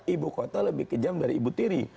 ibu kota lebih kejam dari ibu tiri